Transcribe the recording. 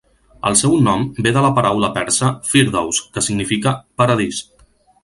El seu nom ve de la paraula persa "firdows", que significa "paradís".